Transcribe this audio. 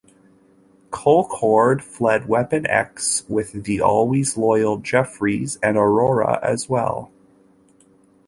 Colcord fled Weapon X with the always loyal Jeffries and Aurora as well.